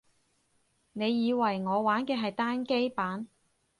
你以為我玩嘅係單機版